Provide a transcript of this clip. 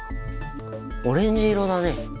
オレンジ色だね。